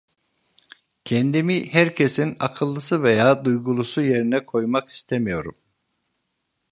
Kendimi herkesin akıllısı veya duygulusu yerine koymak istemiyorum.